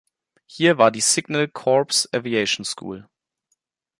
Hier war die Signal Corps Aviation School.